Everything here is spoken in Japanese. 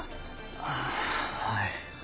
ああはい。